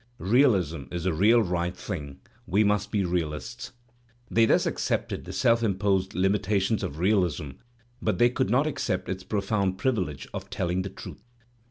realism is the real right thing; we will be realists.'* They thus accepted the self imposed limitations of realism, but they could not accept its profoimd privilege of telling the truth.